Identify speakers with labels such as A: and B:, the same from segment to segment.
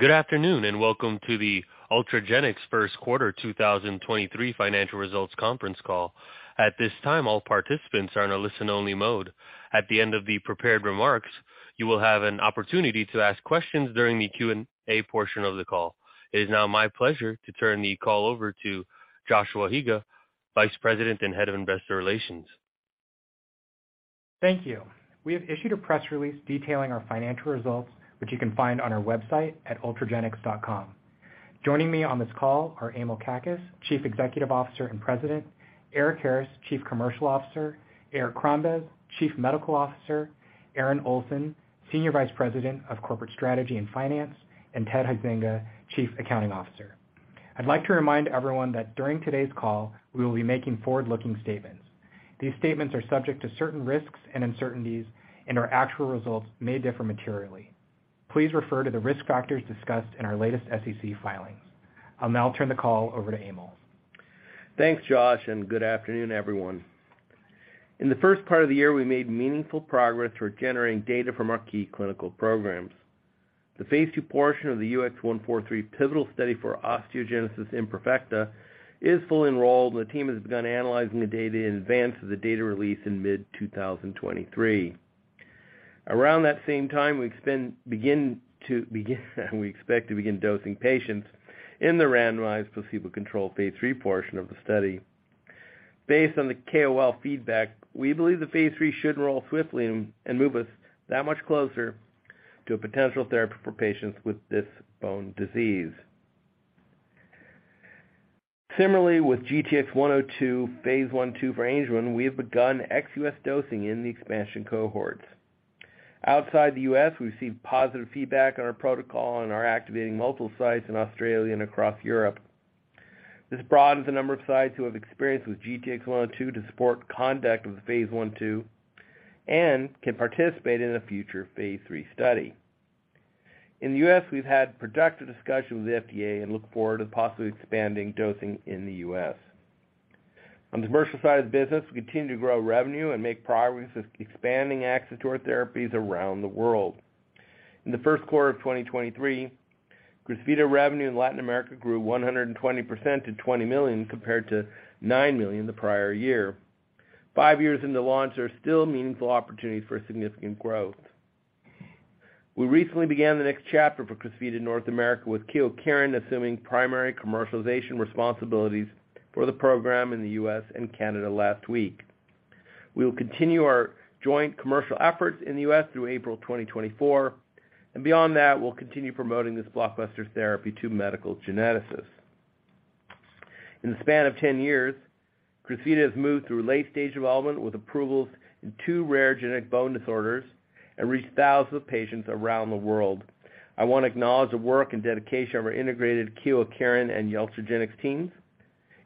A: Good afternoon, welcome to the Ultragenyx first quarter 2023 financial results conference call. At this time, all participants are in a listen-only mode. At the end of the prepared remarks, you will have an opportunity to ask questions during the Q&A portion of the call. It is now my pleasure to turn the call over to Joshua Higa, Vice President and Head of Investor Relations.
B: Thank you. We have issued a press release detailing our financial results, which you can find on our website at ultragenyx.com. Joining me on this call are Emil Kakkis, Chief Executive Officer and President, Erik Harris, Chief Commercial Officer, Eric Crombez, Chief Medical Officer, Aaron Olsen, Senior Vice President of Corporate Strategy and Finance, and Ted Huizenga, Chief Accounting Officer. I'd like to remind everyone that during today's call, we will be making forward-looking statements. These statements are subject to certain risks and uncertainties, and our actual results may differ materially. Please refer to the risk factors discussed in our latest SEC filings. I'll now turn the call over to Emil.
C: Thanks, Josh, and good afternoon, everyone. In the first part of the year, we made meaningful progress toward generating data from our key clinical programs. The phase II portion of the UX143 pivotal study for osteogenesis imperfecta is fully enrolled, and the team has begun analyzing the data in advance of the data release in mid-2023. Around that same time, we expect to begin dosing patients in the randomized placebo-controlled phase III portion of the study. Based on the KOL feedback, we believe the phase III should roll swiftly and move us that much closer to a potential therapy for patients with this bone disease. Similarly, with GTX-102, phase I/2 for Angelman, we have begun ex-U.S. dosing in the expansion cohorts. Outside the U.S., we've received positive feedback on our protocol and are activating multiple sites in Australia and across Europe. This broadens the number of sites who have experience with GTX-102 to support conduct of the phase I and II and can participate in a future phase III study. In the U.S., we've had productive discussions with the FDA and look forward to possibly expanding dosing in the U.S. On the commercial side of the business, we continue to grow revenue and make progress with expanding access to our therapies around the world. In the first quarter of 2023, Crysvita revenue in Latin America grew 120% to $20 million compared to $9 million the prior year. Five years into launch, there are still meaningful opportunities for significant growth. We recently began the next chapter for Crysvita in North America with Kyowa Kirin assuming primary commercialization responsibilities for the program in the U.S. and Canada last week. We will continue our joint commercial efforts in the U.S. through April 2024. Beyond that, we'll continue promoting this blockbuster therapy to medical geneticists. In the span of 10 years, Crysvita has moved through late-stage development with approvals in two rare genetic bone disorders and reached thousands of patients around the world. I wanna acknowledge the work and dedication of our integrated Kyowa Kirin and Ultragenyx teams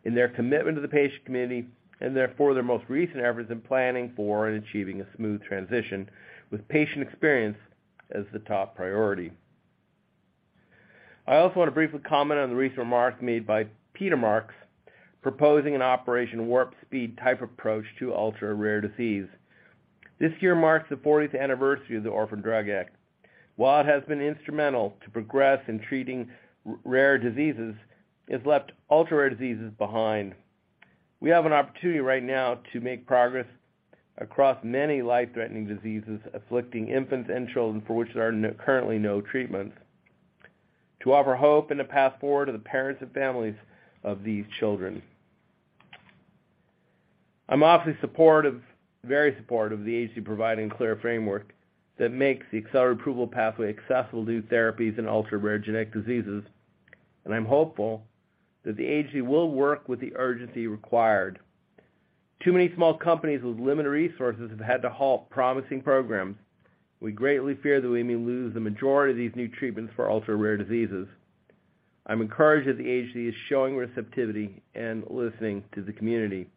C: in their commitment to the patient community and therefore their most recent efforts in planning for and achieving a smooth transition with patient experience as the top priority. I also want to briefly comment on the recent remarks made by Peter Marks proposing an Operation Warp Speed-type approach to ultra-rare disease. This year marks the 14th anniversary of the Orphan Drug Act. While it has been instrumental to progress in treating rare diseases, it's left ultra-rare diseases behind. We have an opportunity right now to make progress across many life-threatening diseases afflicting infants and children for which there are currently no treatments to offer hope and a path forward to the parents and families of these children. I'm obviously very supportive of the agency providing clear framework that makes the accelerated approval pathway accessible to new therapies in ultra-rare genetic diseases, and I'm hopeful that the agency will work with the urgency required. Too many small companies with limited resources have had to halt promising programs. We greatly fear that we may lose the majority of these new treatments for ultra-rare diseases. I'm encouraged that the agency is showing receptivity and listening to the community.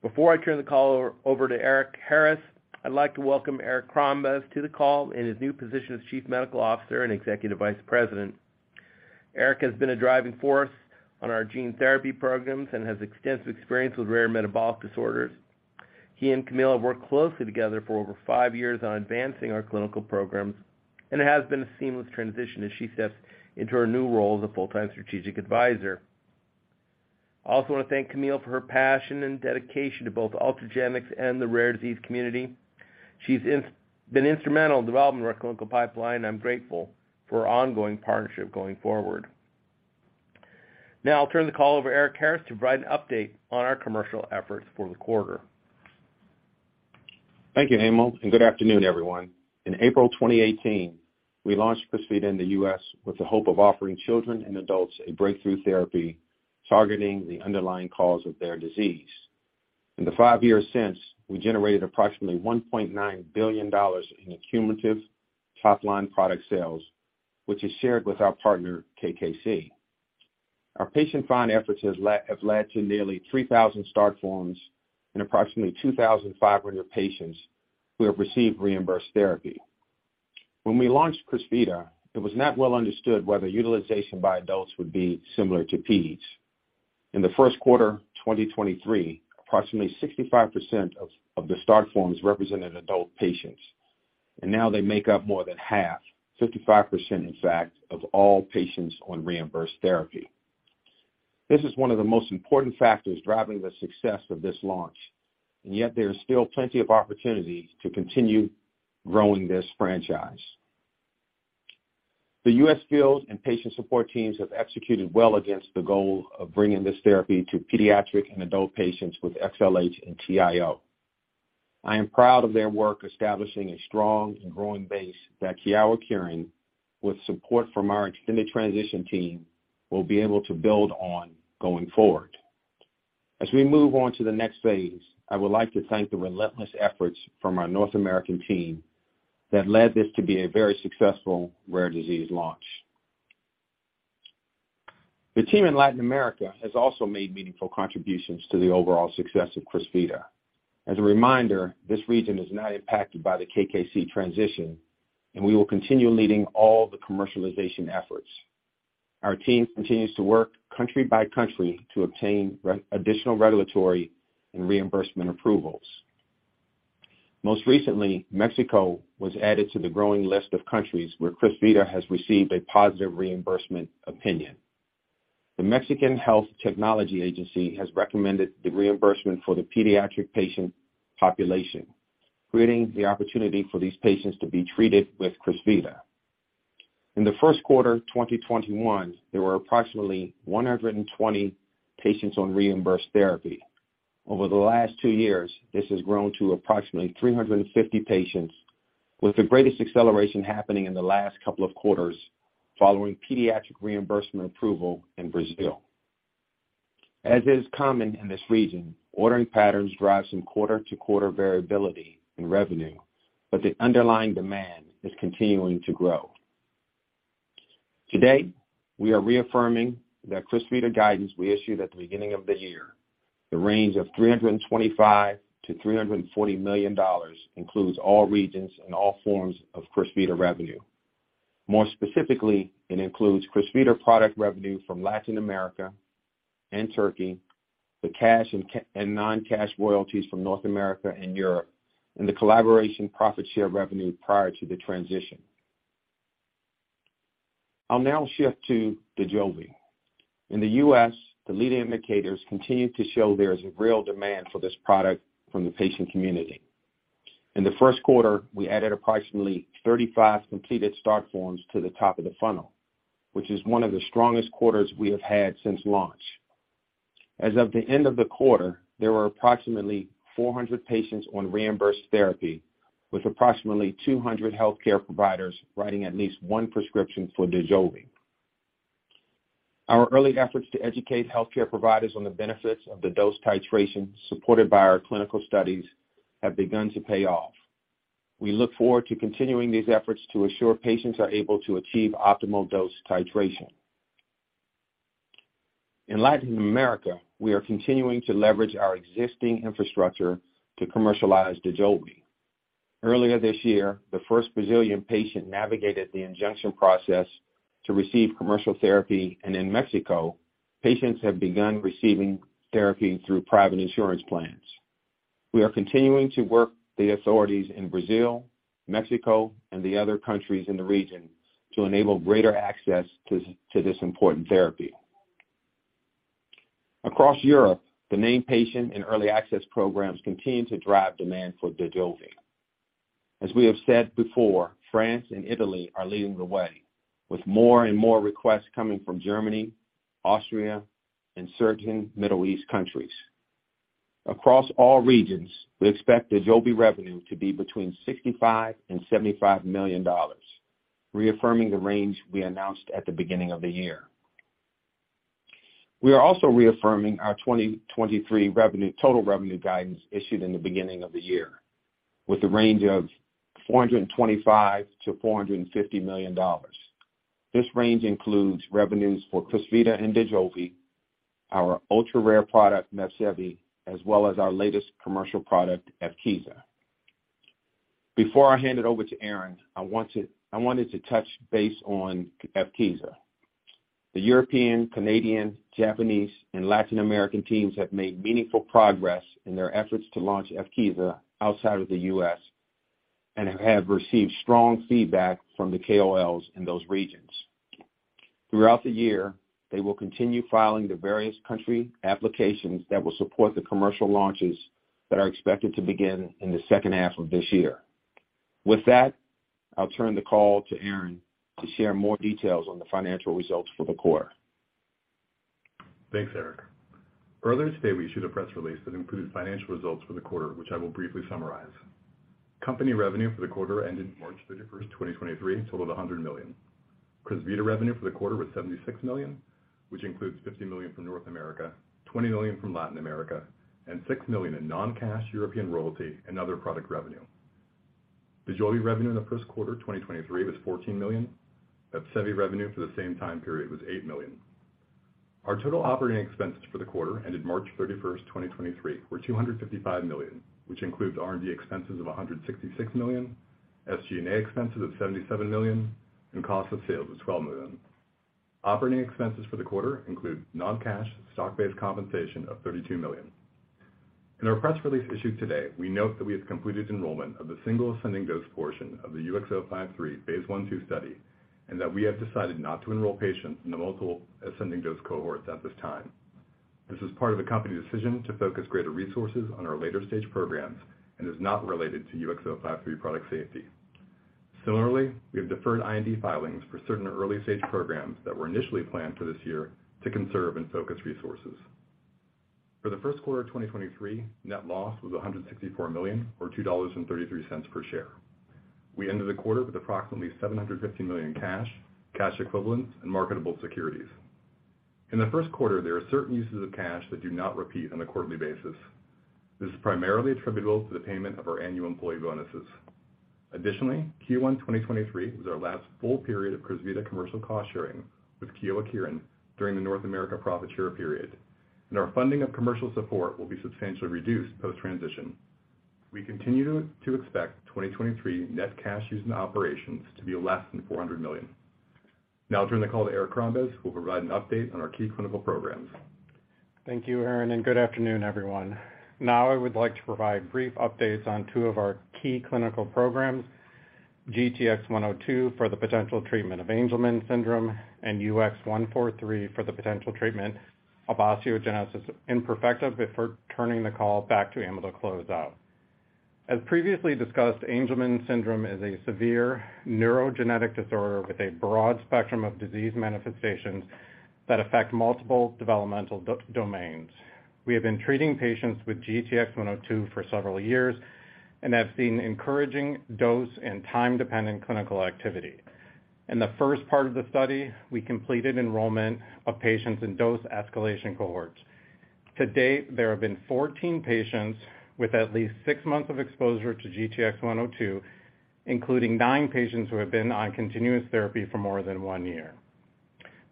C: Before I turn the call over to Erik Harris, I'd like to welcome Eric Crombez to the call in his new position as Chief Medical Officer and Executive Vice President. Eric has been a driving force on our gene therapy programs and has extensive experience with rare metabolic disorders. He and Camille have worked closely together for over five years on advancing our clinical programs, and it has been a seamless transition as she steps into her new role as a full-time strategic advisor. I also wanna thank Camille for her passion and dedication to both Ultragenyx and the rare disease community. She's been instrumental in developing our clinical pipeline, and I'm grateful for her ongoing partnership going forward. Now I'll turn the call over Erik Harris to provide an update on our commercial efforts for the quarter.
D: Thank you, Emil. Good afternoon, everyone. In April 2018, we launched Crysvita in the U.S. with the hope of offering children and adults a breakthrough therapy targeting the underlying cause of their disease. In the five years since, we generated approximately $1.9 billion in accumulative top-line product sales, which is shared with our partner, KKC. Our patient find efforts have led to nearly 3,000 start forms and approximately 2,500 patients who have received reimbursed therapy. When we launched Crysvita, it was not well understood whether utilization by adults would be similar to peds. In the first quarter, 2023, approximately 65% of the start forms represented adult patients. Now they make up more than half, 55%, in fact, of all patients on reimbursed therapy. This is one of the most important factors driving the success of this launch, and yet there is still plenty of opportunities to continue growing this franchise. The U.S. field and patient support teams have executed well against the goal of bringing this therapy to pediatric and adult patients with XLH and TIO. I am proud of their work establishing a strong and growing base that Kyowa Kirin, with support from our extended transition team, will be able to build on going forward. As we move on to the next phase, I would like to thank the relentless efforts from our North American team that led this to be a very successful rare disease launch. The team in Latin America has also made meaningful contributions to the overall success of Crysvita. As a reminder, this region is not impacted by the KKC transition, and we will continue leading all the commercialization efforts. Our team continues to work country by country to obtain additional regulatory and reimbursement approvals. Most recently, Mexico was added to the growing list of countries where Crysvita has received a positive reimbursement opinion. The Mexican Health Technology Agency has recommended the reimbursement for the pediatric patient population, creating the opportunity for these patients to be treated with Crysvita. In the first quarter, 2021, there were approximately 120 patients on reimbursed therapy. Over the last two years, this has grown to approximately 350 patients, with the greatest acceleration happening in the last couple of quarters following pediatric reimbursement approval in Brazil. As is common in this region, ordering patterns drive some quarter-to-quarter variability in revenue, the underlying demand is continuing to grow. Today, we are reaffirming that Crysvita guidance we issued at the beginning of the year. The range of $325-340 million includes all regions and all forms of Crysvita revenue. More specifically, it includes Crysvita product revenue from Latin America and Turkey, the cash and non-cash royalties from North America and Europe, and the collaboration profit share revenue prior to the transition. I'll now shift to Dojolvi. In the U.S., the leading indicators continue to show there is a real demand for this product from the patient community. In the first quarter, we added approximately 35 completed start forms to the top of the funnel, which is one of the strongest quarters we have had since launch. As of the end of the quarter, there were approximately 400 patients on reimbursed therapy, with approximately 200 healthcare providers writing at least one prescription for Dojolvi. Our early efforts to educate healthcare providers on the benefits of the dose titration supported by our clinical studies have begun to pay off. We look forward to continuing these efforts to assure patients are able to achieve optimal dose titration. In Latin America, we are continuing to leverage our existing infrastructure to commercialize Dojolvi. Earlier this year, the first Brazilian patient navigated the injunction process to receive commercial therapy, and in Mexico, patients have begun receiving therapy through private insurance plans. We are continuing to work the authorities in Brazil, Mexico, and the other countries in the region to enable greater access to this important therapy. Across Europe, the named patient and early access programs continue to drive demand for Dojolvi. As we have said before, France and Italy are leading the way, with more and more requests coming from Germany, Austria, and certain Middle East countries. Across all regions, we expect Dojolvi revenue to be between $65 million and $75 million, reaffirming the range we announced at the beginning of the year. We are also reaffirming our 2023 revenue, total revenue guidance issued in the beginning of the year with a range of $425-450 million. This range includes revenues for Crysvita and Dojolvi, our ultra-rare product, MEPSEVII, as well as our latest commercial product, Evkeeza. Before I hand it over to Aaron, I wanted to touch base on Evkeeza. The European, Canadian, Japanese, and Latin American teams have made meaningful progress in their efforts to launch Evkeeza outside of the U.S. and have received strong feedback from the KOLs in those regions. Throughout the year, they will continue filing the various country applications that will support the commercial launches that are expected to begin in the second half of this year. With that, I'll turn the call to Aaron to share more details on the financial results for the quarter.
E: Thanks, Erik. Earlier today, we issued a press release that included financial results for the quarter, which I will briefly summarize. Company revenue for the quarter ended March 31st, 2023, totaled $100 million. Crysvita revenue for the quarter was $76 million, which includes $50 million from North America, $20 million from Latin America, and $6 million in non-cash European royalty and other product revenue. Dojolvi revenue in the first quarter, 2023, was $14 million. MEPSEVII revenue for the same time period was $8 million. Our total operating expenses for the quarter ended March 31st, 2023, were $255 million, which includes R&D expenses of $166 million. SG&A expenses of $77 million, cost of sales of $12 million. Operating expenses for the quarter include non-cash stock-based compensation of $32 million. In our press release issued today, we note that we have completed enrollment of the single ascending dose portion of the UX053 phase I and II study, that we have decided not to enroll patients in the multiple ascending dose cohorts at this time. This is part of the company's decision to focus greater resources on our later-stage programs and is not related to UX053 product safety. Similarly, we have deferred IND filings for certain early-stage programs that were initially planned for this year to conserve and focus resources. For the first quarter of 2023, net loss was $164 million or $2.33 per share. We ended the quarter with approximately $750 million cash equivalents, and marketable securities. In the first quarter, there are certain uses of cash that do not repeat on a quarterly basis. This is primarily attributable to the payment of our annual employee bonuses. Additionally, Q1 2023 was our last full period of Crysvita commercial cost-sharing with Kyowa Kirin during the North America profit share period, and our funding of commercial support will be substantially reduced post-transition. We continue to expect 2023 net cash used in operations to be less than $400 million. Now I'll turn the call to Eric Crombez, who will provide an update on our key clinical programs.
F: Thank you, Aaron. Good afternoon, everyone. Now I would like to provide brief updates on two of our key clinical programs, GTX-102 for the potential treatment of Angelman syndrome and UX143 for the potential treatment of osteogenesis imperfecta, before turning the call back to Emil to close out. As previously discussed, Angelman syndrome is a severe neurogenetic disorder with a broad spectrum of disease manifestations that affect multiple developmental domains. We have been treating patients with GTX-102 for several years and have seen encouraging dose and time-dependent clinical activity. In the first part of the study, we completed enrollment of patients in dose escalation cohorts. To date, there have been 14 patients with at least six months of exposure to GTX-102, including nine patients who have been on continuous therapy for more than one year.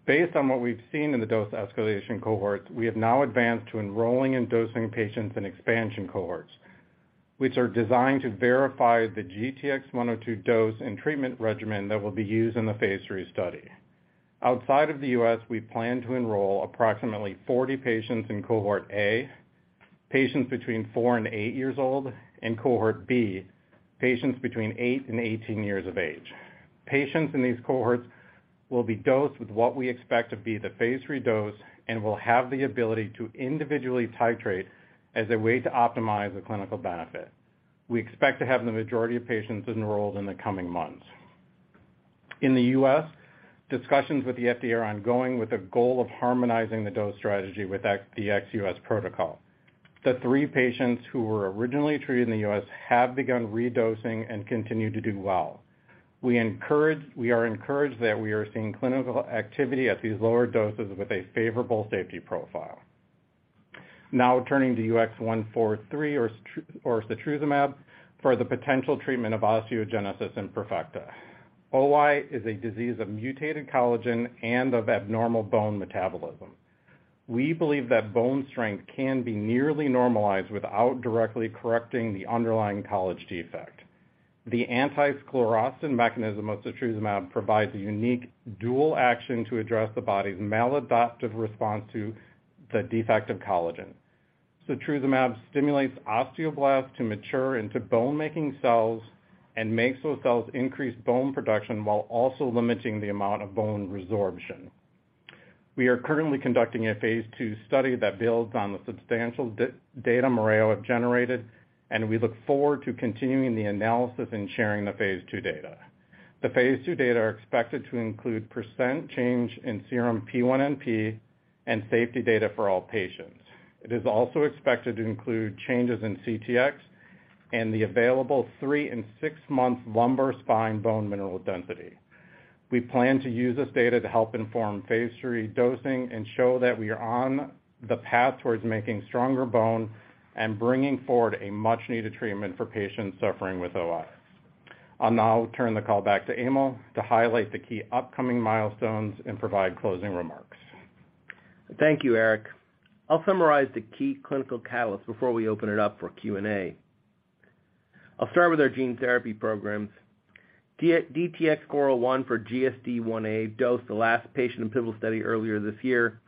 F: Based on what we've seen in the dose escalation cohorts, we have now advanced to enrolling and dosing patients in expansion cohorts, which are designed to verify the GTX-102 dose and treatment regimen that will be used in the phase three study. Outside of the U.S., we plan to enroll approximately 40 patients in cohort A, patients between four and eight years old, and cohort B, patients between eight and 18 years of age. Patients in these cohorts will be dosed with what we expect to be the phase three dose and will have the ability to individually titrate as a way to optimize the clinical benefit. We expect to have the majority of patients enrolled in the coming months. In the U.S., discussions with the FDA are ongoing with the goal of harmonizing the dose strategy with the ex-U.S. protocol. The three patients who were originally treated in the U.S. have begun redosing and continue to do well. We are encouraged that we are seeing clinical activity at these lower doses with a favorable safety profile. Turning to UX143 or setrusumab for the potential treatment of osteogenesis imperfecta. OI is a disease of mutated collagen and of abnormal bone metabolism. We believe that bone strength can be nearly normalized without directly correcting the underlying collagen defect. The anti-sclerostin mechanism of setrusumab provides a unique dual action to address the body's maladaptive response to the defective collagen. Setrusumab stimulates osteoblasts to mature into bone-making cells and makes those cells increase bone production while also limiting the amount of bone resorption. We are currently conducting a phase II study that builds on the substantial data Ormus have generated, we look forward to continuing the analysis and sharing the phase II data. The phase II data are expected to include % change in serum P1NP and safety data for all patients. It is also expected to include changes in CTX and the available three and six-month lumbar spine bone mineral density. We plan to use this data to help inform phase III dosing and show that we are on the path towards making stronger bone and bringing forward a much-needed treatment for patients suffering with OI. I'll now turn the call back to Emil to highlight the key upcoming milestones and provide closing remarks.
C: Thank you, Eric. I'll summarize the key clinical catalysts before we open it up for Q&A. I'll start with our gene therapy programs. DTX401 for GSDIa dosed the last patient in pivotal study earlier this year.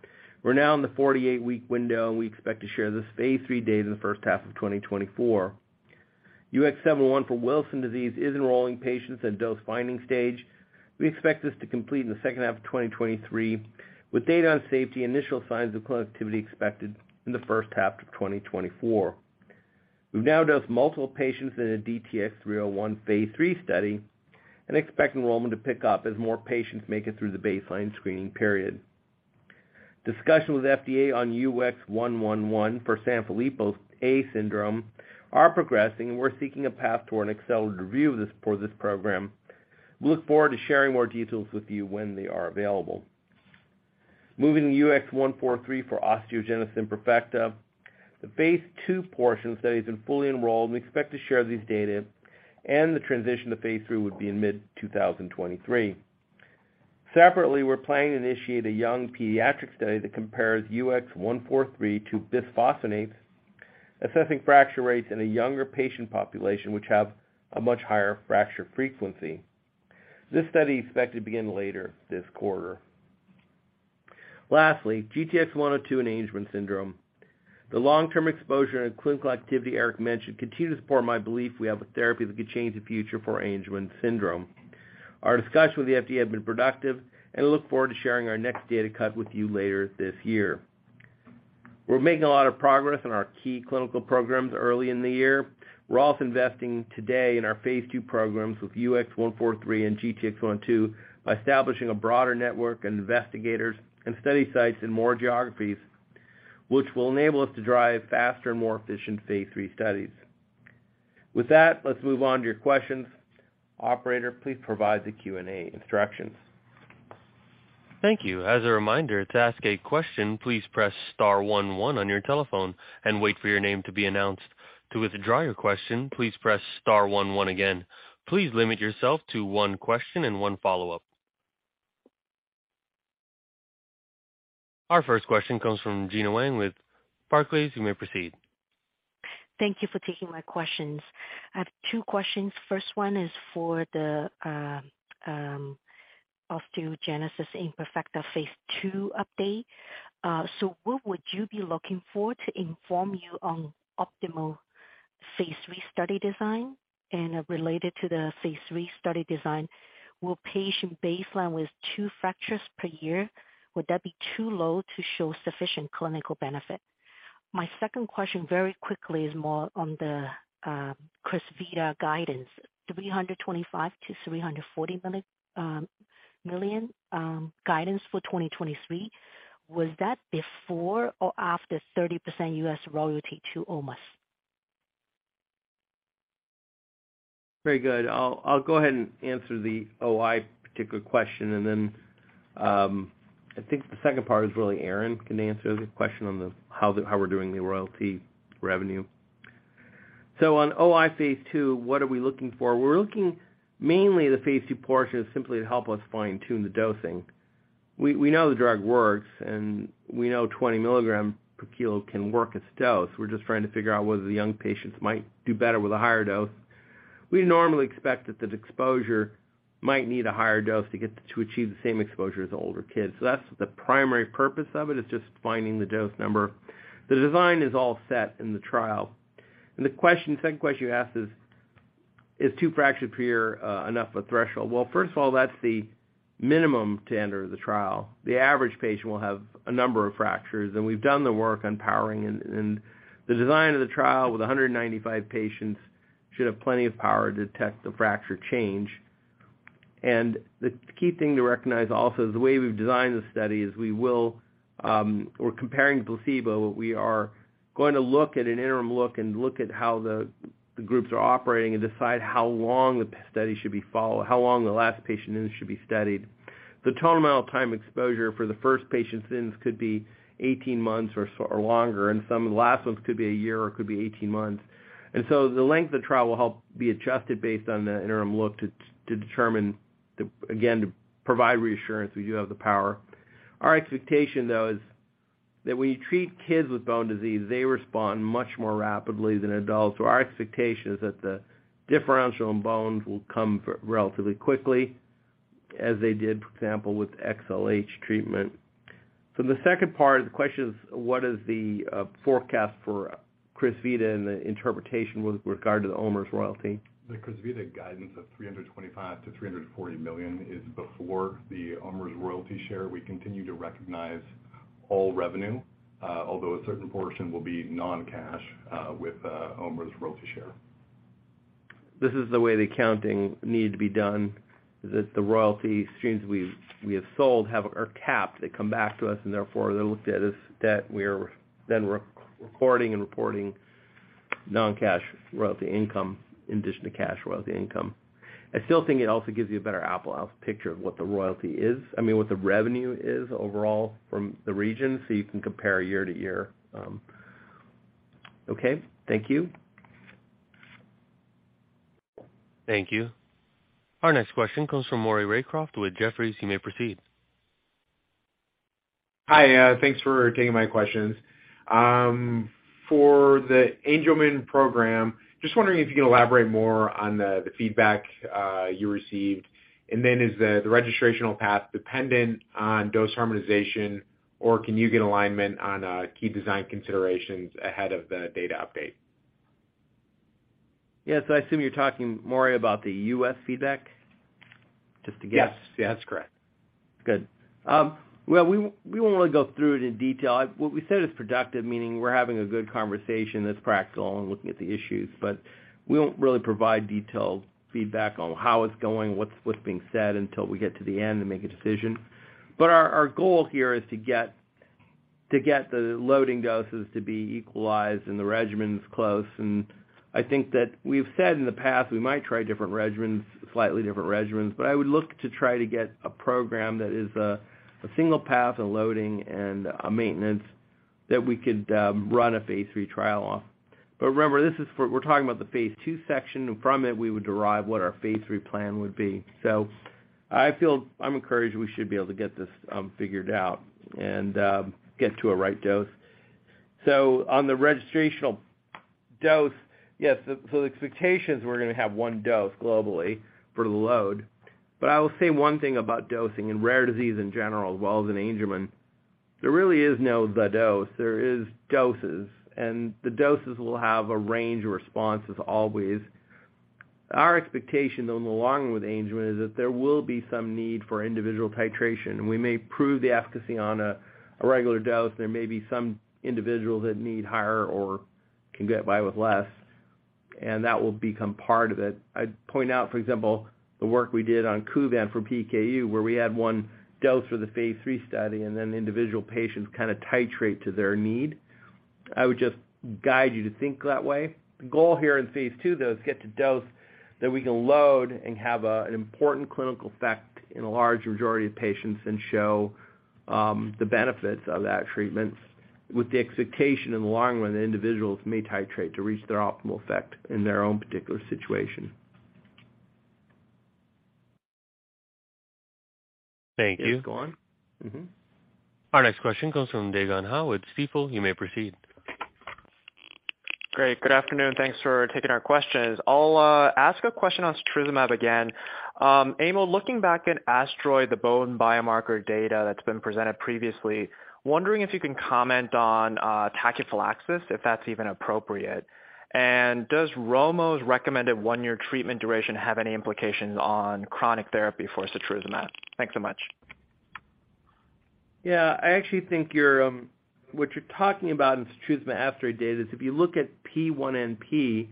C: We're now in the 48-week window. We expect to share this phase III data in the first half of 2024. UX701 for Wilson disease is enrolling patients at dose-finding stage. We expect this to complete in the second half of 2023, with data on safety and initial signs of clinical activity expected in the first half of 2024. We've now dosed multiple patients in a DTX301 phase III study. We expect enrollment to pick up as more patients make it through the baseline screening period. Discussion with FDA on UX111 for Sanfilippo syndrome type A are progressing. We're seeking a path toward an accelerated review for this program. We look forward to sharing more details with you when they are available. Moving to UX143 for osteogenesis imperfecta. The phase II portion study has been fully enrolled. We expect to share these data and the transition to phase III would be in mid-2023. Separately, we're planning to initiate a young pediatric study that compares UX143 to bisphosphonates, assessing fracture rates in a younger patient population which have a much higher fracture frequency. This study is expected to begin later this quarter. Lastly, GTX-102 in Angelman syndrome. The long-term exposure and clinical activity Eric mentioned continue to support my belief we have a therapy that could change the future for Angelman syndrome. Our discussion with the FDA has been productive, and look forward to sharing our next data cut with you later this year. We're making a lot of progress in our key clinical programs early in the year. We're also investing today in our phase II programs with UX143 and GTX-102 by establishing a broader network and investigators and study sites in more geographies, which will enable us to drive faster and more efficient phase III studies. With that, let's move on to your questions. Operator, please provide the Q&A instructions.
A: Thank you. As a reminder, to ask a question, please press star one one on your telephone and wait for your name to be announced. To withdraw your question, please press star one one again. Please limit yourself to one question and one follow-up. Our first question comes from Gena Wang with Barclays. You may proceed.
G: Thank you for taking my questions. I have two questions. First one is for the osteogenesis imperfecta phase II update. What would you be looking for to inform you on optimal phase III study design? Related to the phase III study design, will patient baseline with two fractures per year, would that be too low to show sufficient clinical benefit? My second question very quickly is more on the Crysvita guidance, $325-340 million guidance for 2023. Was that before or after 30% U.S. royalty to Ormus?
C: Very good. I'll go ahead and answer the OI particular question, and then I think the second part is really Aaron can answer the question on the how we're doing the royalty revenue. On OI phase II, what are we looking for? We're looking mainly the phase II portion is simply to help us fine-tune the dosing. We know the drug works, and we know 20 mg per kg can work as a dose. We're just trying to figure out whether the young patients might do better with a higher dose. We normally expect that the exposure might need a higher dose to achieve the same exposure as older kids. That's the primary purpose of it, is just finding the dose number. The design is all set in the trial. The question, second question you asked is two fractures per year enough a threshold? Well, first of all, that's the minimum to enter the trial. The average patient will have a number of fractures, we've done the work on powering and the design of the trial with 195 patients should have plenty of power to detect the fracture change. The key thing to recognize also is the way we've designed the study is we will, we're comparing placebo. We are going to look at an interim look and look at how the groups are operating and decide how long the study should be follow, how long the last patient should be studied. The total amount of time exposure for the first patient since could be 18 months or longer, and some of the last ones could be one year or could be 18 months. The length of the trial will help be adjusted based on the interim look to determine the, again, to provide reassurance we do have the power. Our expectation, though, is that when you treat kids with bone disease, they respond much more rapidly than adults. Our expectation is that the differential in bones will come relatively quickly as they did, for example, with XLH treatment. The second part of the question is what is the forecast for Crysvita and the interpretation with regard to the Ormus royalty?
E: The Crysvita guidance of $325 million-$340 million is before the Ormus royalty share. We continue to recognize all revenue, although a certain portion will be non-cash, with Ormus royalty share. This is the way the accounting needed to be done, is that the royalty streams we have sold are capped. They come back to us and therefore they're looked at as debt. We are then re-recording and reporting non-cash royalty income in addition to cash royalty income. I still think it also gives you a better apple-out picture of what the royalty is. I mean, what the revenue is overall from the region, so you can compare year to year.
C: Okay. Thank you.
A: Thank you. Our next question comes from Maury Raycroft with Jefferies. You may proceed.
H: Hi. Thanks for taking my questions. For the Angelman program, just wondering if you can elaborate more on the feedback you received. Is the registrational path dependent on dose harmonization, or can you get alignment on key design considerations ahead of the data update?
C: Yes. I assume you're talking, Maury, about the U.S. feedback, just to guess.
H: Yes. Yes, correct.
C: Good. Well, we won't really go through it in detail. What we said is productive, meaning we're having a good conversation that's practical and looking at the issues, but we don't really provide detailed feedback on how it's going, what's being said until we get to the end and make a decision. Our, our goal here is to get, to get the loading doses to be equalized and the regimens close. I think that we've said in the past we might try different regimens, slightly different regimens, but I would look to try to get a program that is a single path and loading and a maintenance that we could run a phase III trial off. Remember, we're talking about the phase II section, and from it, we would derive what our phase III plan would be. I feel... I'm encouraged we should be able to get this figured out and get to a right dose. On the registrational dose, yes, so the expectation is we're gonna have one dose globally for the load. I will say one thing about dosing, in rare disease in general as well as in Angelman, there really is no the dose, there is doses, and the doses will have a range of responses always. Our expectation, though, in the long run with Angelman is that there will be some need for individual titration. We may prove the efficacy on a regular dose. There may be some individuals that need higher or can get by with less, and that will become part of it. I'd point out, for example, the work we did on Kuvan for PKU, where we had one dose for the phase three study, and then individual patients kind of titrate to their need. I would just guide you to think that way. The goal here in phase two, though, is get to dose that we can load and have an important clinical effect in a large majority of patients and show the benefits of that treatment with the expectation in the long run that individuals may titrate to reach their optimal effect in their own particular situation.
H: Thank you.
C: Yes, go on. Mm-hmm.
A: Our next question comes from Dae Gon Ha with Stifel. You may proceed.
I: Great. Good afternoon. Thanks for taking our questions. I'll ask a question on setrusumab again. Emil, looking back at ASTEROID, the bone biomarker data that's been presented previously, wondering if you can comment on tachyphylaxis, if that's even appropriate. Does Romosozumab recommended one-year treatment duration have any implications on chronic therapy for setrusumab? Thanks so much.
C: Yeah. I actually think you're, What you're talking about in setrusumab ASTEROID data is if you look at P1NP,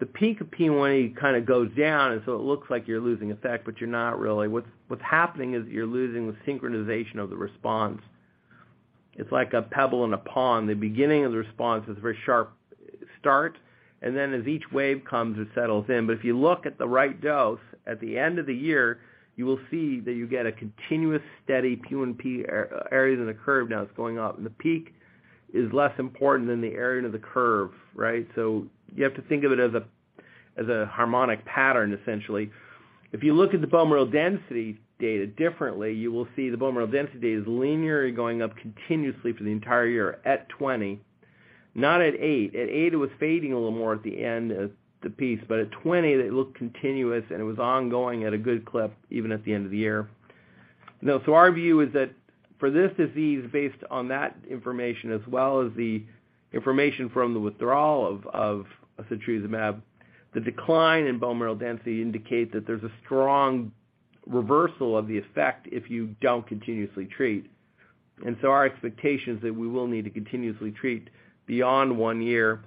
C: the peak of P1 kind of goes down, and so it looks like you're losing effect, but you're not really. What's happening is you're losing the synchronization of the response. It's like a pebble in a pond. The beginning of the response is a very sharp start, and then as each wave comes, it settles in. But if you look at the right dose, at the end of the year, you will see that you get a continuous steady P1NP areas in the curve now that's going up. The peak is less important than the area under the curve, right? You have to think of it as a, as a harmonic pattern, essentially. If you look at the bone mineral density data differently, you will see the bone mineral density data is linearly going up continuously for the entire year at 20, not at eight. At eight, it was fading a little more at the end of the piece, but at 20, it looked continuous, and it was ongoing at a good clip, even at the end of the year. Our view is that for this disease, based on that information as well as the information from the withdrawal of setrusumab, the decline in bone mineral density indicates that there's a strong reversal of the effect if you don't continuously treat. Our expectation is that we will need to continuously treat beyond one year.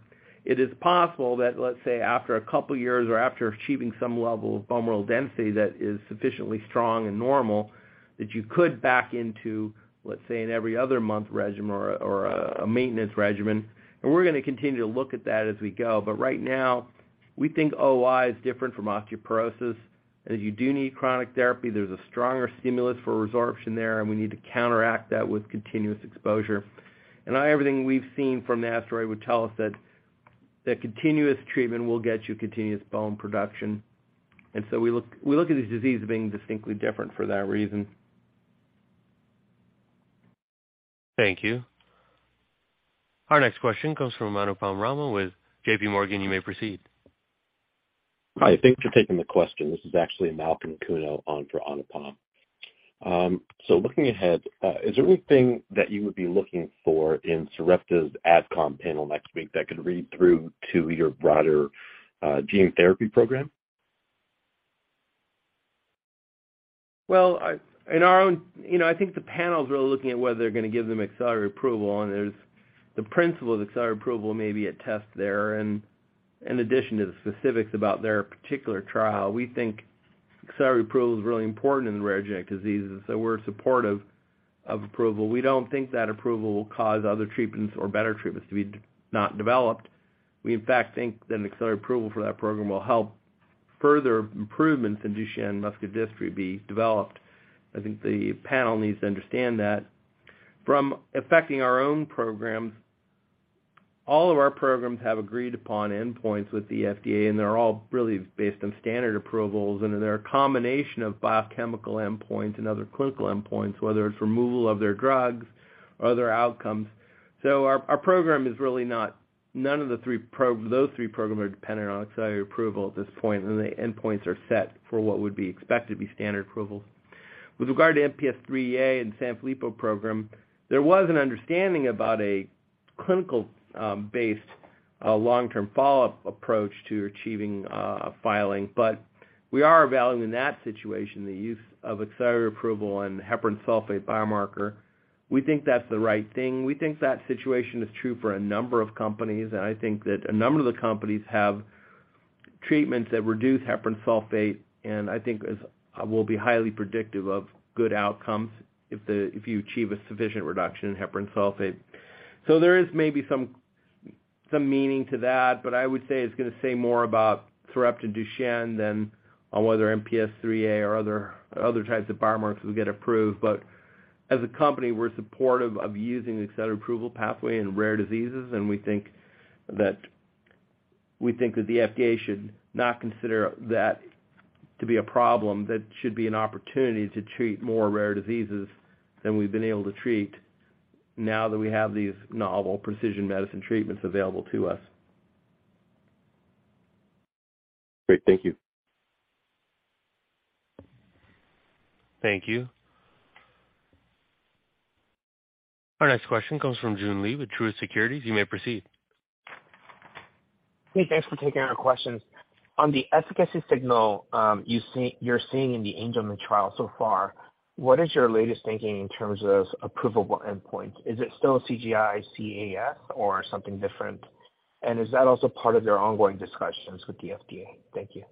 C: It is possible that, let's say, after a couple years or after achieving some level of bone mineral density that is sufficiently strong and normal, that you could back into, let's say, an every other month regimen or a maintenance regimen. We're gonna continue to look at that as we go. Right now, we think OI is different from osteoporosis, as you do need chronic therapy. There's a stronger stimulus for resorption there, and we need to counteract that with continuous exposure. Everything we've seen from the ASTEROID would tell us that continuous treatment will get you continuous bone production. We look at this disease as being distinctly different for that reason.
A: Thank you. Our next question comes from Anupam Rama with JPMorgan. You may proceed.
J: Hi. Thanks for taking the question. This is actually Malcolm Kuno on for Anupam. Looking ahead, is there anything that you would be looking for in Sarepta's AdCom panel next week that could read through to your broader gene therapy program?
C: You know, I think the panel's really looking at whether they're gonna give them accelerated approval. There's the principle of accelerated approval may be a test there and, in addition to the specifics about their particular trial. We think accelerated approval is really important in the rare genetic diseases, so we're supportive of approval. We don't think that approval will cause other treatments or better treatments to be not developed. We, in fact, think that an accelerated approval for that program will help further improvements in Duchenne Muscular Dystrophy be developed. I think the panel needs to understand that. From affecting our own programs, all of our programs have agreed upon endpoints with the FDA, and they're all really based on standard approvals, and they're a combination of biochemical endpoints and other clinical endpoints, whether it's removal of their drugs or other outcomes. Our program is really not... None of those three programs are dependent on accelerated approval at this point, and the endpoints are set for what would be expected to be standard approval. With regard to MPS IIIA and the Sanfilippo program, there was an understanding about a clinical based long-term follow-up approach to achieving a filing. We are evaluating that situation, the use of accelerated approval and heparan sulfate biomarker. We think that's the right thing. We think that situation is true for a number of companies, and I think that a number of the companies have treatments that reduce heparan sulfate, and I think is will be highly predictive of good outcomes if you achieve a sufficient reduction in heparan sulfate. There is maybe some meaning to that, I would say it's gonna say more about therapy Duchenne than on whether MPS IIIA or other types of biomarkers will get approved. As a company, we're supportive of using the accelerated approval pathway in rare diseases, and we think that the FDA should not consider that to be a problem. That it should be an opportunity to treat more rare diseases than we've been able to treat now that we have these novel precision medicine treatments available to us.
J: Great. Thank you.
A: Thank you. Our next question comes from Joon Lee with Truist Securities. You may proceed.
K: Hey, thanks for taking our questions. On the efficacy signal, you're seeing in the Angelman trial so far, what is your latest thinking in terms of approvable endpoints? Is it still CGI-I-AS or something different? Is that also part of your ongoing discussions with the FDA? Thank you.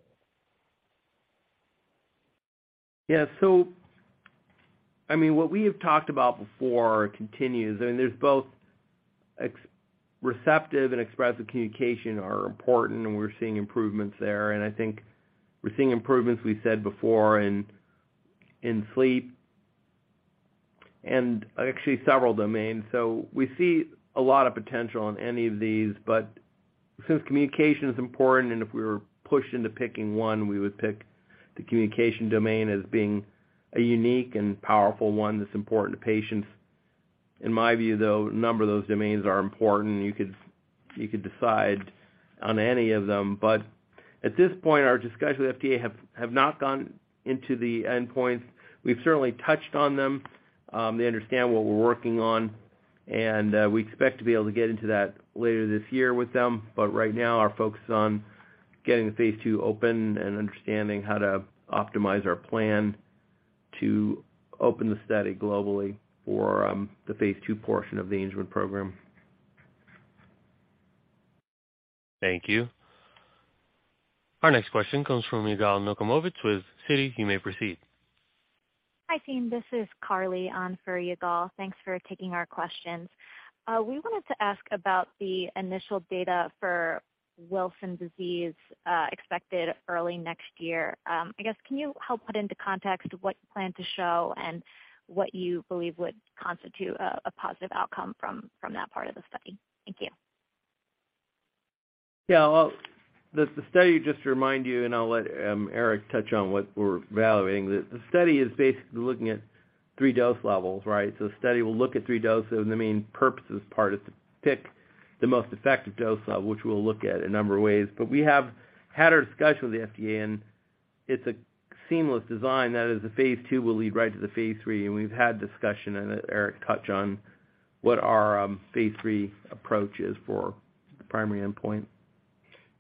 C: Yeah. I mean, what we have talked about before continues, and there's both receptive and expressive communication are important, and we're seeing improvements there. I think we're seeing improvements, we said before, in sleep and actually several domains. We see a lot of potential in any of these. Since communication is important, and if we were pushed into picking one, we would pick the communication domain as being a unique and powerful one that's important to patients. In my view, though, a number of those domains are important. You could decide on any of them. At this point, our discussions with FDA have not gone into the endpoints. We've certainly touched on them. They understand what we're working on, and we expect to be able to get into that later this year with them. Right now, our focus is on getting the phase II open and understanding how to optimize our plan to open the study globally for the phase II portion of the Angelman program.
A: Thank you. Our next question comes from Yigal Nochomovitz with Citi. You may proceed.
L: Hi, team. This is Carly on for Yigal. Thanks for taking our questions. We wanted to ask about the initial data for Wilson disease expected early next year. I guess can you help put into context what you plan to show and what you believe would constitute a positive outcome from that part of the study? Thank you.
C: Well, the study, just to remind you, I'll let Eric touch on what we're evaluating. The study is basically looking at three dose levels, right? The study will look at three doses, and the main purpose of this part is to pick the most effective dose level, which we'll look at a number of ways. We have had our discussion with the FDA, and it's a seamless design. That is, the phase II will lead right to the phase III. We've had discussion, and Eric touch on what our phase III approach is for the primary endpoint.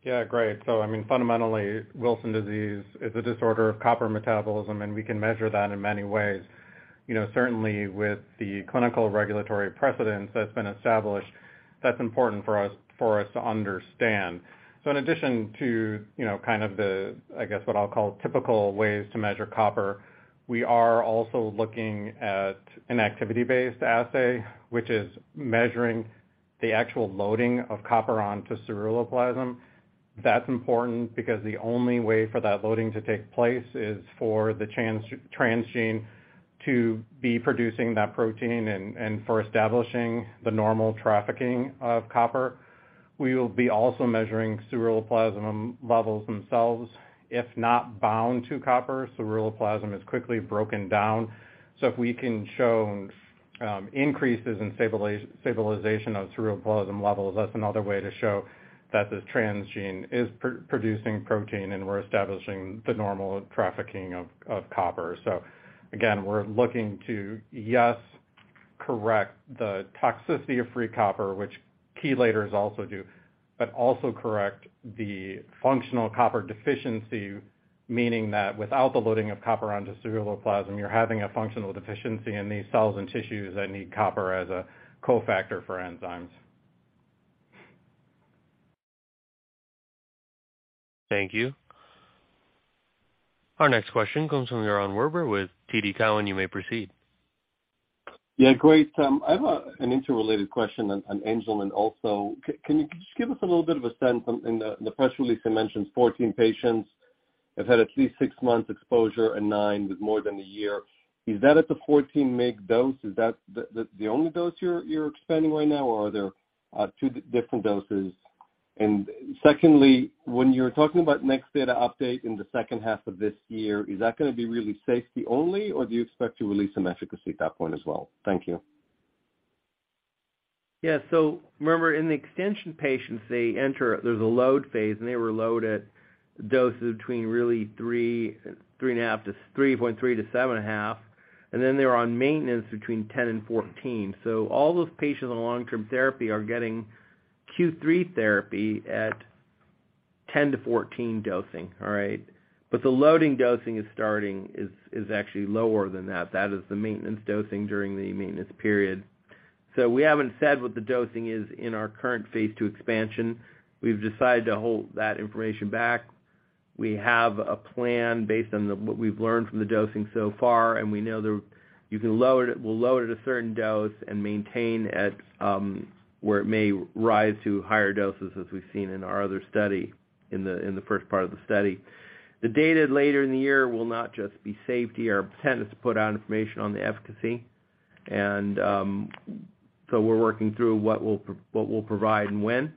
F: Yeah. Great. I mean, fundamentally, Wilson disease is a disorder of copper metabolism, and we can measure that in many ways. You know, certainly with the clinical regulatory precedence that's been established, that's important for us to understand. In addition to, you know, kind of the, I guess, what I'll call typical ways to measure copper, we are also looking at an activity-based assay, which is measuring the actual loading of copper onto ceruloplasmin. That's important because the only way for that loading to take place is for the transgene to be producing that protein and for establishing the normal trafficking of copper. We will be also measuring ceruloplasmin levels themselves. If not bound to copper, ceruloplasmin is quickly broken down. If we can show increases in stabilization of ceruloplasmin levels, that's another way to show that the transgene is producing protein and we're establishing the normal trafficking of copper. Again, we're looking to, yes, correct the toxicity of free copper, which chelators also do, but also correct the functional copper deficiency, meaning that without the loading of copper onto ceruloplasmin, you're having a functional deficiency in these cells and tissues that need copper as a cofactor for enzymes.
A: Thank you. Our next question comes from Yaron Werber with TD Cowen. You may proceed.
M: Yeah. Great. I have an interrelated question on Angelman also. Can you just give us a little bit of a sense in the press release, it mentions 14 patients have had at least six months exposure and nine with more than a year. Is that at the 14 mg dose? Is that the only dose you're expanding right now, or are there two different doses? Secondly, when you're talking about next data update in the second half of this year, is that going to be really safety only, or do you expect to release some efficacy at that point as well? Thank you.
C: Yeah. Remember, in the extension patients, they enter, there's a load phase, and they were loaded doses between really 3.3 to 7 and a half. Then they were on maintenance between 10 and 14. All those patients on long-term therapy are getting Q3 therapy at 10 to 14 dosing. All right. The loading dosing is starting is actually lower than that. That is the maintenance dosing during the maintenance period. We haven't said what the dosing is in our current phase II expansion. We've decided to hold that information back. We have a plan based on the, what we've learned from the dosing so far. We know you can lower it, we'll lower it at a certain dose and maintain at where it may rise to higher doses as we've seen in our other study, in the first part of the study. The data later in the year will not just be safety. Our intent is to put out information on the efficacy. We're working through what we'll provide and when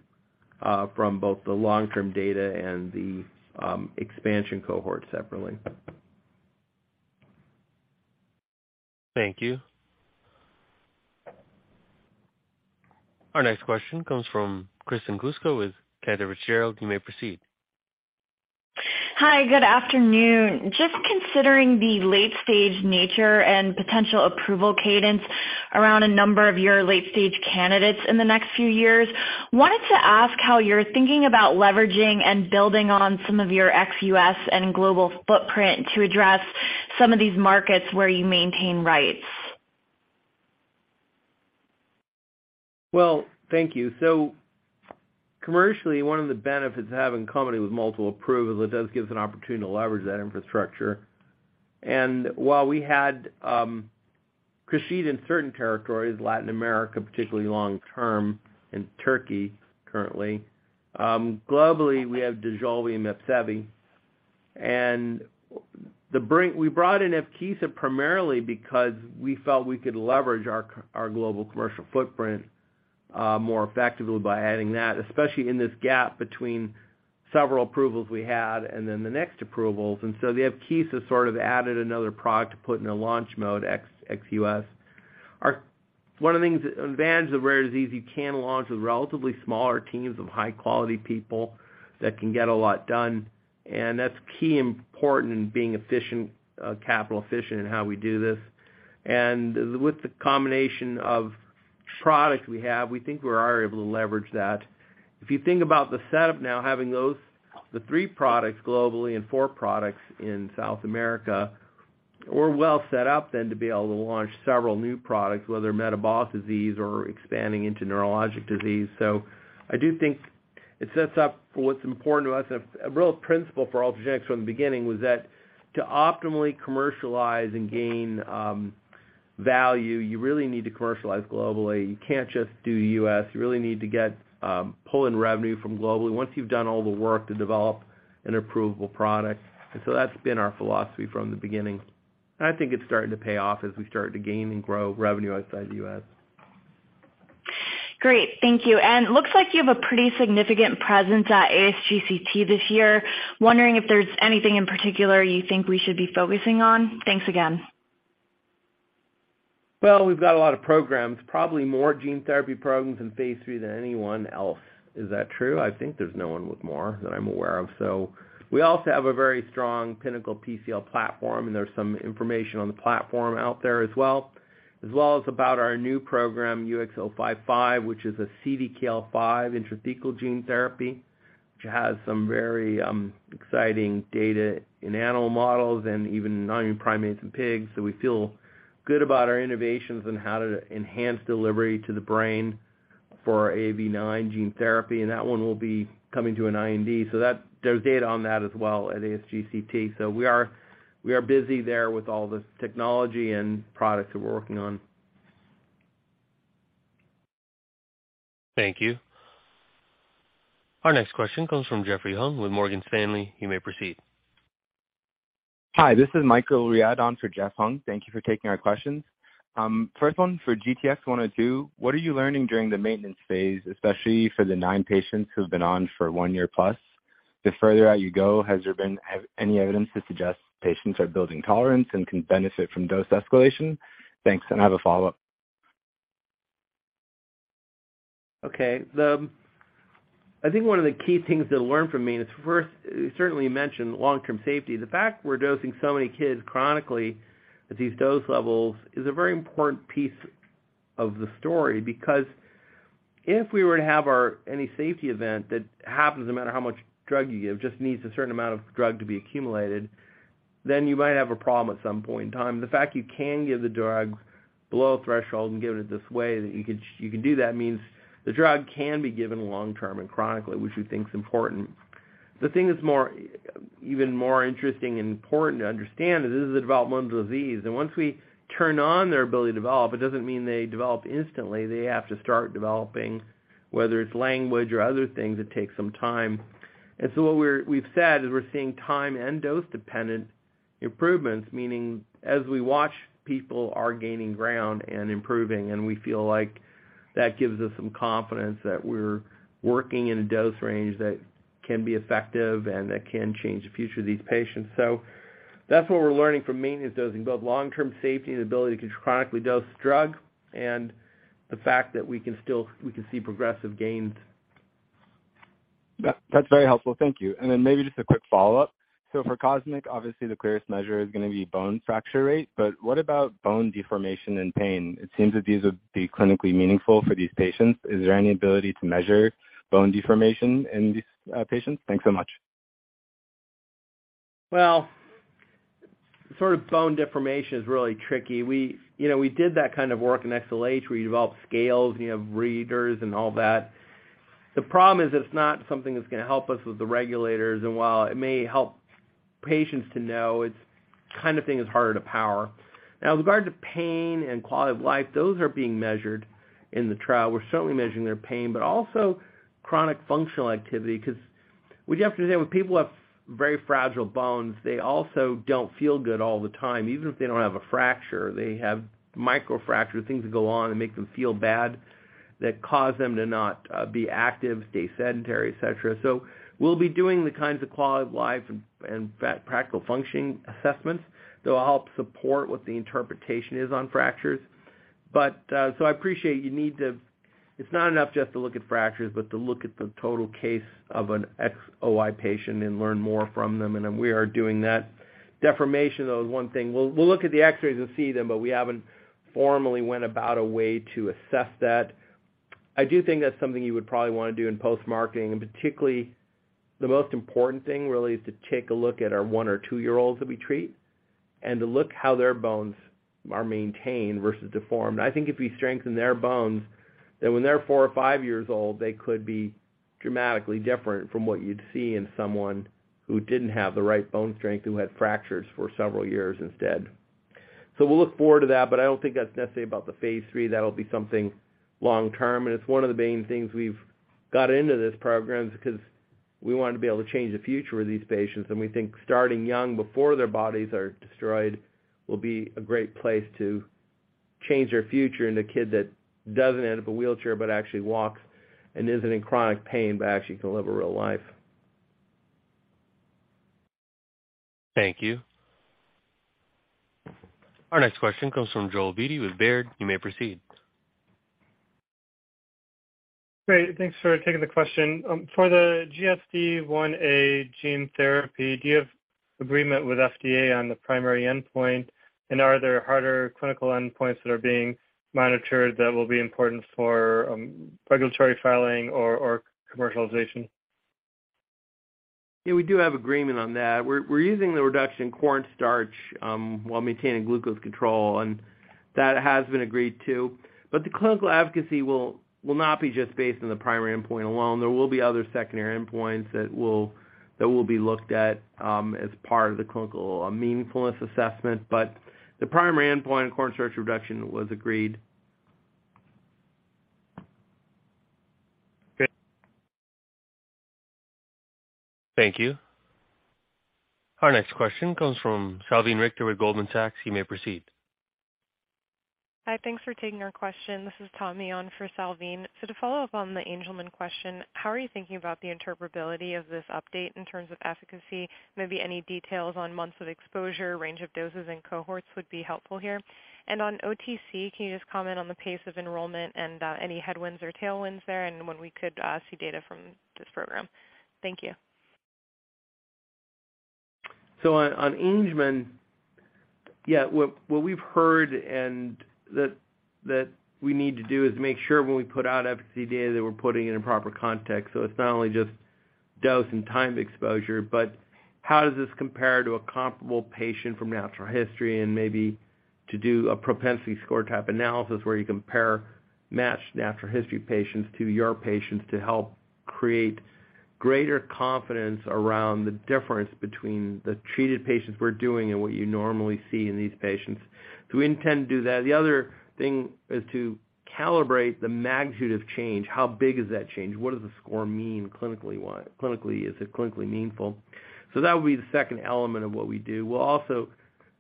C: from both the long-term data and the expansion cohort separately.
A: Thank you. Our next question comes from Kristen Kluska with Cantor Fitzgerald. You may proceed.
N: Hi, good afternoon. Just considering the late-stage nature and potential approval cadence around a number of your late-stage candidates in the next few years, wanted to ask how you're thinking about leveraging and building on some of your ex-U.S. and global footprint to address some of these markets where you maintain rights.
C: Well, thank you. Commercially, one of the benefits of having a company with multiple approvals, it does give us an opportunity to leverage that infrastructure. While we had Crysvita in certain territories, Latin America, particularly long-term, and Turkey currently, globally, we have Dojolvi and MEPSEVII. We brought in Evkeeza primarily because we felt we could leverage our global commercial footprint, more effectively by adding that, especially in this gap between several approvals we had and then the next approvals. The Evkeeza sort of added another product to put in a launch mode ex-U.S. One of the things, advantage of rare disease, you can launch with relatively smaller teams of high-quality people that can get a lot done, and that's key, important in being efficient, capital efficient in how we do this. With the combination of products we have, we think we are able to leverage that. If you think about the setup now, having those, the three products globally and four products in South America, we're well set up then to be able to launch several new products, whether metabolic disease or expanding into neurologic disease. I do think it sets up what's important to us. A real principle for Ultragenyx from the beginning was that to optimally commercialize and gain value, you really need to commercialize globally. You can't just do U.S. You really need to get pull in revenue from globally once you've done all the work to develop an approvable product. That's been our philosophy from the beginning. I think it's starting to pay off as we start to gain and grow revenue outside the U.S.
N: Great. Thank you. Looks like you have a pretty significant presence at ASGCT this year. Wondering if there's anything in particular you think we should be focusing on? Thanks again.
C: Well, we've got a lot of programs, probably more gene therapy programs in phase III than anyone else. Is that true? I think there's no one with more that I'm aware of. We also have a very strong Pinnacle PCL platform, and there's some information on the platform out there as well, as well as about our new program, UX055, which is a CDKL5 Intrathecal gene therapy, which has some very exciting data in animal models and even non-human primates and pigs. We feel good about our innovations and how to enhance delivery to the brain for AAV9 gene therapy, and that one will be coming to an IND. There's data on that as well at ASGCT. We are busy there with all the technology and products that we're working on.
A: Thank you. Our next question comes from Jeffrey Hung with Morgan Stanley. You may proceed.
O: Hi, this is Michael Riad on for Jeffrey Hung. Thank you for taking our questions. First one for GTX-102, what are you learning during the maintenance phase, especially for the nine patients who've been on for one year plus? The further out you go, has there been any evidence to suggest patients are building tolerance and can benefit from dose escalation? Thanks. I have a follow-up.
C: Okay. I think one of the key things to learn from me, and it's worth certainly mentioned long-term safety. The fact we're dosing so many kids chronically at these dose levels is a very important piece of the story. If we were to have any safety event, that happens no matter how much drug you give, just needs a certain amount of drug to be accumulated, then you might have a problem at some point in time. The fact you can give the drug below a threshold and give it this way that you can do that means the drug can be given long-term and chronically, which we think is important. The thing that's even more interesting and important to understand is this is a developmental disease, and once we turn on their ability to develop, it doesn't mean they develop instantly. They have to start developing, whether it's language or other things, it takes some time. What we've said is we're seeing time and dose-dependent improvements, meaning as we watch, people are gaining ground and improving, and we feel like that gives us some confidence that we're working in a dose range that can be effective and that can change the future of these patients. That's what we're learning from maintenance dosing, both long-term safety and the ability to chronically dose the drug and the fact that we can still see progressive gains.
O: That's very helpful. Thank you. Then maybe just a quick follow-up. For Cosmic, obviously, the clearest measure is gonna be bone fracture rate. What about bone deformation and pain? It seems that these would be clinically meaningful for these patients. Is there any ability to measure bone deformation in these patients? Thanks so much.
C: Sort of bone deformation is really tricky. We, you know, we did that kind of work in XLH, where you develop scales, and you have readers and all that. The problem is it's not something that's gonna help us with the regulators, and while it may help patients to know, it's kind of thing is harder to power. Now with regard to pain and quality of life, those are being measured in the trial. We're certainly measuring their pain, but also chronic functional activity 'cause what you have to do when people have very fragile bones, they also don't feel good all the time. Even if they don't have a fracture, they have microfractures, things that go on and make them feel bad, that cause them to not be active, stay sedentary, etc. We'll be doing the kinds of quality of life and practical functioning assessments that will help support what the interpretation is on fractures. I appreciate you need to. It's not enough just to look at fractures, but to look at the total case of an ex-OI patient and learn more from them, and then we are doing that. Deformation, though, is one thing. We'll look at the X-rays and see them, but we haven't formally went about a way to assess that. I do think that's something you would probably wanna do in post-marketing, and particularly, the most important thing really is to take a look at our one or two-year-olds that we treat and to look how their bones are maintained versus deformed. I think if we strengthen their bones, then when they're four or five years old, they could be dramatically different from what you'd see in someone who didn't have the right bone strength, who had fractures for several years instead. We'll look forward to that, but I don't think that's necessarily about the phase III. That'll be something long-term, it's one of the main things we've got into this program is because we wanted to be able to change the future of these patients, and we think starting young before their bodies are destroyed will be a great place to change their future in a kid that doesn't end up in a wheelchair but actually walks and isn't in chronic pain, but actually can live a real life.
A: Thank you. Our next question comes from Joel Beatty with Baird. You may proceed.
P: Great. Thanks for taking the question. For the GSDIa gene therapy, do you have agreement with FDA on the primary endpoint? Are there harder clinical endpoints that are being monitored that will be important for regulatory filing or commercialization?
C: We do have agreement on that. We're using the reduction in corn starch, while maintaining glucose control, and that has been agreed to. The clinical efficacy will not be just based on the primary endpoint alone. There will be other secondary endpoints that will be looked at as part of the clinical meaningfulness assessment. The primary endpoint, corn starch reduction, was agreed.
P: Good.
A: Thank you. Our next question comes from Salveen Richter with Goldman Sachs. You may proceed.
Q: Hi, thanks for taking our question. This is Tommy on for Salveen. To follow up on the Angelman question, how are you thinking about the interpretability of this update in terms of efficacy? Maybe any details on months of exposure, range of doses and cohorts would be helpful here. On OTC, can you just comment on the pace of enrollment and any headwinds or tailwinds there and when we could see data from this program? Thank you.
C: On Angelman, yeah, what we've heard and that we need to do is make sure when we put out efficacy data, that we're putting it in proper context. It's not only just dose and time of exposure, but how does this compare to a comparable patient from natural history and maybe to do a propensity score type analysis where you compare matched natural history patients to your patients to help create greater confidence around the difference between the treated patients we're doing and what you normally see in these patients. We intend to do that. The other thing is to calibrate the magnitude of change. How big is that change? What does the score mean clinically? Is it clinically meaningful? That would be the second element of what we do. We'll also,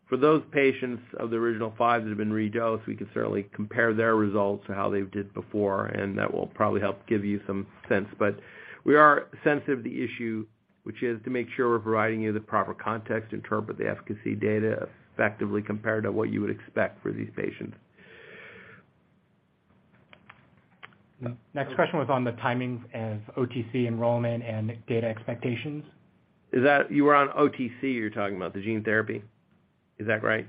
C: for those patients of the original 5 that have been redosed, we can certainly compare their results to how they did before, and that will probably help give you some sense. We are sensitive to the issue, which is to make sure we're providing you the proper context, interpret the efficacy data effectively compared to what you would expect for these patients.
Q: Next question was on the timings of OTC enrollment and data expectations.
C: You were on OTC, you're talking about the gene therapy? Is that right?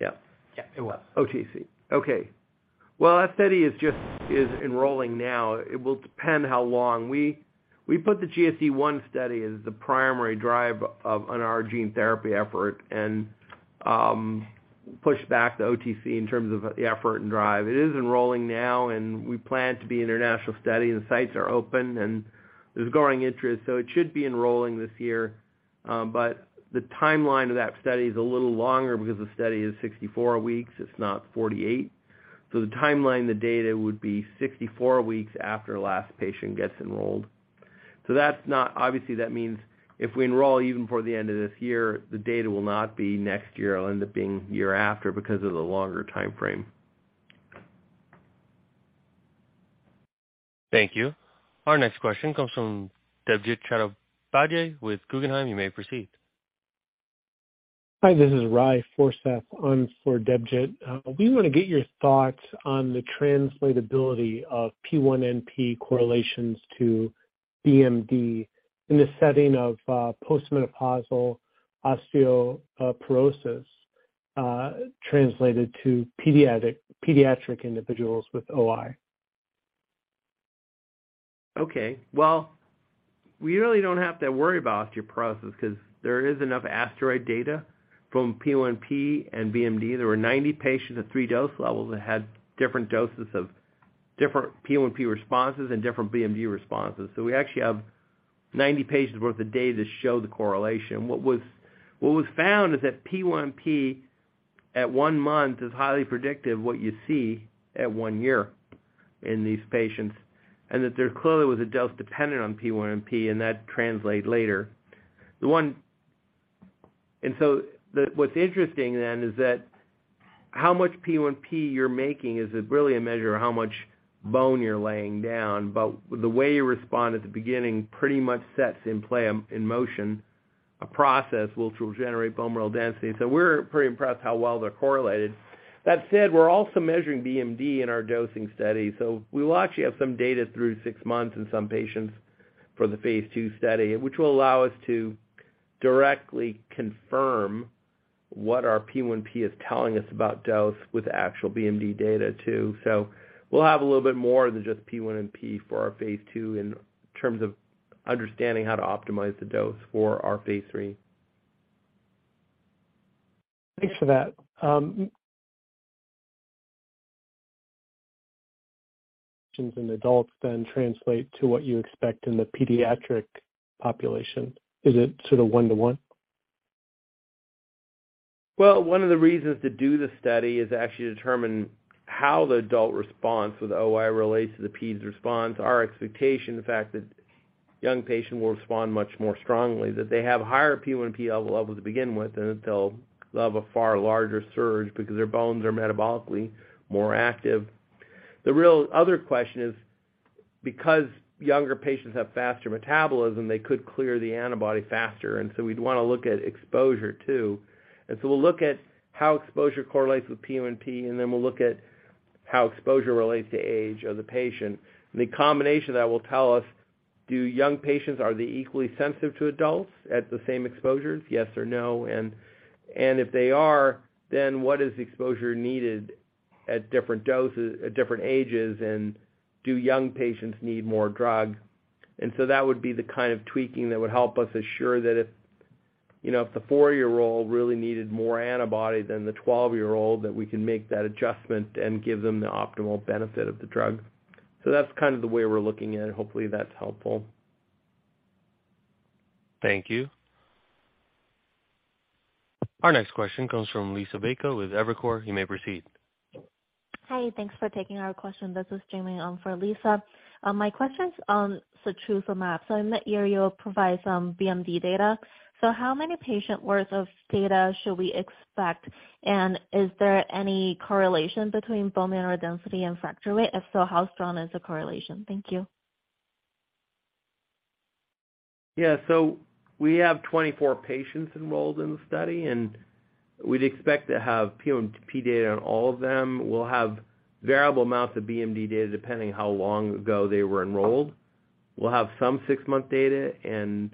C: Yeah.
Q: Yeah, it was.
C: OTC. Okay. Well, that study is enrolling now. It will depend how long. We put the GSD 1 study as the primary drive of, on our gene therapy effort and, pushed back the OTC in terms of the effort and drive. It is enrolling now. We plan to be an international study. The sites are open, and there's growing interest, it should be enrolling this year. The timeline of that study is a little longer because the study is 64 weeks, it's not 48. The timeline of the data would be 64 weeks after the last patient gets enrolled. That's not. Obviously, that means if we enroll even before the end of this year, the data will not be next year. It'll end up being the year after because of the longer timeframe.
A: Thank you. Our next question comes from Debjit Chattopadhyay with Guggenheim. You may proceed.
R: Hi, this is Ry Forseth on for Debjit. We wanna get your thoughts on the translatability of P1NP correlations to BMD in the setting of post-menopausal osteoporosis, translated to pediatric individuals with OI.
C: Okay. Well, we really don't have to worry about osteopetrosis 'cause there is enough ASTEROID data from P1NP and BMD. There were 90 patients at three dose levels that had different doses of different P1NP responses and different BMD responses. We actually have 90 patients worth of data to show the correlation. What was found is that P1NP at one month is highly predictive what you see at one year in these patients, and that there clearly was a dose dependent on P1NP and that translate later. What's interesting then is that how much P1NP you're making is really a measure of how much bone you're laying down. The way you respond at the beginning pretty much sets in play, in motion a process which will generate bone mineral density. We're pretty impressed how well they're correlated. That said, we're also measuring BMD in our dosing study. We will actually have some data through six months in some patients for the phase II study, which will allow us to directly confirm what our P1P is telling us about dose with actual BMD data too. We'll have a little bit more than just P1P for our phase II in terms of understanding how to optimize the dose for our phase III.
R: Thanks for that. In adults translate to what you expect in the pediatric population. Is it sort of one to one?
C: Well, one of the reasons to do the study is to actually determine how the adult response with OI relates to the pedes response. Our expectation, in fact, that young patients will respond much more strongly, that they have higher P1NP level to begin with, and they'll have a far larger surge because their bones are metabolically more active. The real other question is, because younger patients have faster metabolism, they could clear the antibody faster, and so we'd wanna look at exposure too. So we'll look at how exposure correlates with P1NP, and then we'll look at how exposure relates to age of the patient. The combination of that will tell us, do young patients, are they equally sensitive to adults at the same exposures? Yes or no. If they are, what is the exposure needed at different doses, at different ages? Do young patients need more drug? That would be the kind of tweaking that would help us assure that if, you know, if the 4-year-old really needed more antibody than the 12-year-old, that we can make that adjustment and give them the optimal benefit of the drug. That's kind of the way we're looking at it. Hopefully, that's helpful.
A: Thank you. Our next question comes from Liisa Bayko with Evercore. You may proceed.
S: Hi. Thanks for taking our question. This is Jamie on for Liisa. My question's on setrusumab. In that year, you'll provide some BMD data. How many patient worth of data should we expect? Is there any correlation between bone mineral density and fracture weight? If so, how strong is the correlation? Thank you.
C: Yeah. We have 24 patients enrolled in the study, and we'd expect to have P1NP data on all of them. We'll have variable amounts of BMD data, depending how long ago they were enrolled. We'll have some six-month data and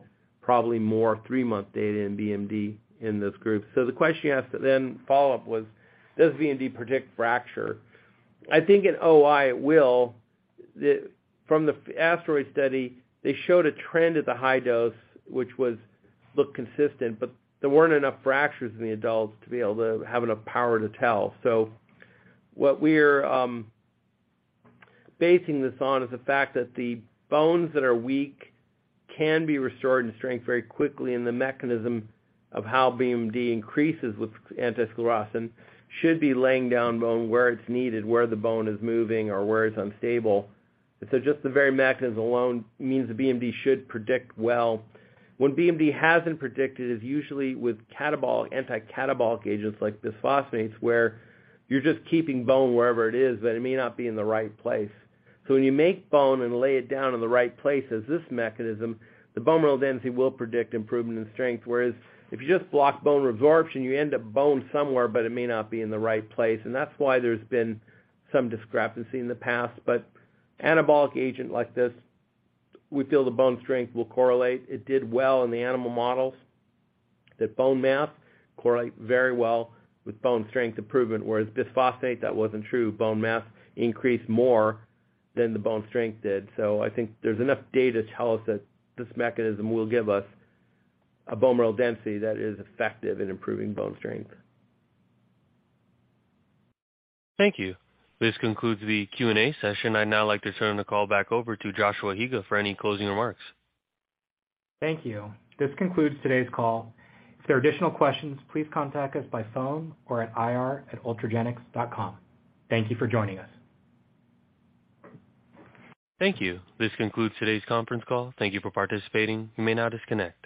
C: probably more three-month data in BMD in this group. The question you asked then follow-up was, does BMD predict fracture? I think in OI it will. From the ASTEROID study, they showed a trend at the high dose, which was, looked consistent, but there weren't enough fractures in the adults to be able to have enough power to tell. What we're basing this on is the fact that the bones that are weak can be restored in strength very quickly, and the mechanism of how BMD increases with anti-sclerostin should be laying down bone where it's needed, where the bone is moving or where it's unstable. Just the very mechanism alone means the BMD should predict well. When BMD hasn't predicted, it's usually with catabolic, anti-catabolic agents like bisphosphonates, where you're just keeping bone wherever it is, but it may not be in the right place. When you make bone and lay it down in the right place as this mechanism, the bone mineral density will predict improvement in strength. Whereas if you just block bone resorption, you end up bone somewhere, but it may not be in the right place, and that's why there's been some discrepancy in the past. Anabolic agent like this, we feel the bone strength will correlate. It did well in the animal models. That bone mass correlate very well with bone strength improvement, whereas bisphosphonates, that wasn't true. Bone mass increased more than the bone strength did. I think there's enough data to tell us that this mechanism will give us a bone mineral density that is effective in improving bone strength.
A: Thank you. This concludes the Q&A session. I'd now like to turn the call back over to Joshua Higa for any closing remarks.
B: Thank you. This concludes today's call. If there are additional questions, please contact us by phone or at ir@ultragenyx.com. Thank you for joining us.
A: Thank you. This concludes today's conference call. Thank you for participating. You may now disconnect.